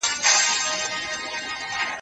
موږ تل د علم اړتیا لرو.